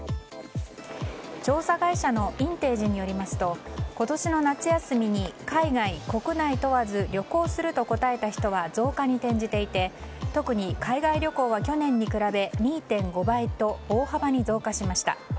調査会社のインテージによりますと今年の夏休みに海外、国内問わず旅行すると答えた人は増加に転じていて特に海外旅行は去年に比べ２．５倍と大幅に増加しました。